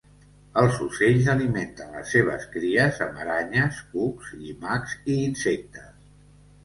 Els ocells alimenten les seves cries amb aranyes, cucs, llimacs i insectes.